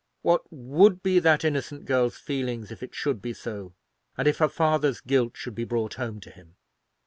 What would be that innocent girl's feelings if it should be so, and if her father's guilt should be brought home to him!"